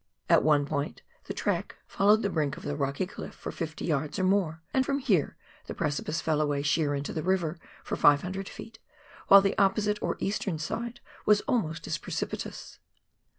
At one point the track followed the COOK EIVER aiAIN BRANCH. 133 brink of tlie rocky cliff for fifty yards or more, and from here the precipice fell away sheer into the river for 500 ft., while the opposite (or eastern) side was almost as precipitous.